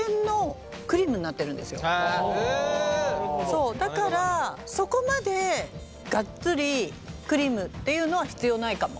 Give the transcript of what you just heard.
そうだからそこまでがっつりクリームっていうのは必要ないかも。